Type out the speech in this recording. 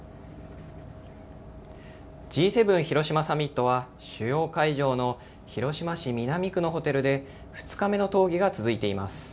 Ｇ７広島サミットは主要会場の広島市南区のホテルで２日目の討議が続いています。